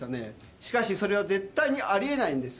しかしそれは絶対にあり得ないんです。